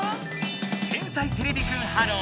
「天才てれびくんｈｅｌｌｏ，」